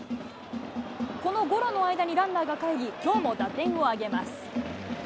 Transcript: このゴロの間にランナーがかえり、きょうも打点を挙げます。